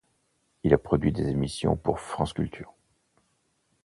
Il a produit des émissions pour France-Culture.